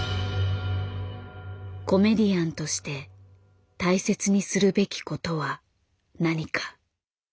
コメディアンとして大切にするべきことは何か。